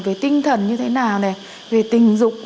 cái tinh thần như thế nào này về tình dục